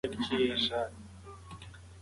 انا خپل جاینماز په ډېر درناوي سره راواخیست.